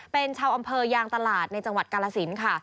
เป็นชาวอำเภอยางตลาดในจังหวัดกาลสินค่ะ